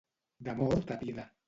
De mort a vida.